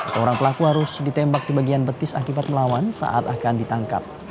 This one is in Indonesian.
seorang pelaku harus ditembak di bagian betis akibat melawan saat akan ditangkap